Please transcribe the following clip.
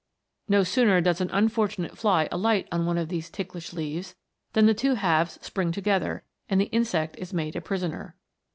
No sooner does an unfortunate fly alight on one of these ticklish leaves than the two halves spring together, and the insect is made a prisoner.